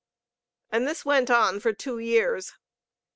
And this went on for two years.